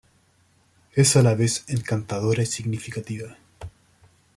Es a la vez encantadora y significativa.